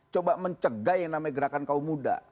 coba mencegah yang namanya gerakan kaum muda